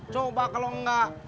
coba kalau enggak